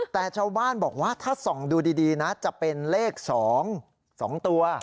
แต่ชาวบ้านบอกว่าถ้าส่องดูดีนะจะเป็นเลข๒๒ตัว